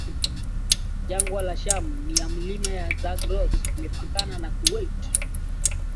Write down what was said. jangwa la Shamu na ya milima ya Zagros Imepakana na Kuwait